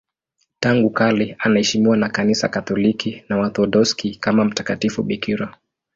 Tangu kale anaheshimiwa na Kanisa Katoliki na Waorthodoksi kama mtakatifu bikira.